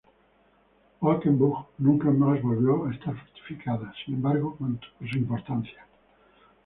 Valkenburg nunca más volvió a estar fortificada; sin embargo, mantuvo su importancia.